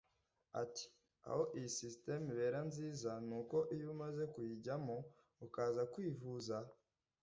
Ati “Aho iyi systeme ibera nziza ni uko iyo umaze kuyijyamo ukaza kwivuza